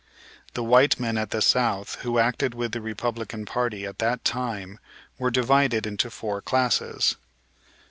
The white men at the South who acted with the Republican party at that time were divided into four classes.